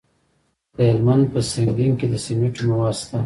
د هلمند په سنګین کې د سمنټو مواد شته.